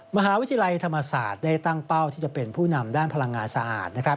มหาวิทยาลัยธรรมศาสตร์ได้ตั้งเป้าที่จะเป็นผู้นำด้านพลังงานสะอาดนะครับ